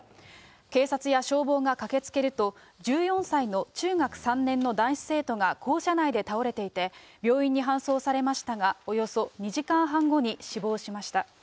警察や消防が駆けつけると、１４歳の中学３年の男子生徒が校舎内で倒れていて、病院に搬送されましたが、およそ２時間半後に死亡しました。